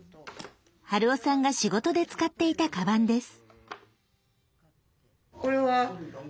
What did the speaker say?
春雄さんが仕事で使っていたカバンです。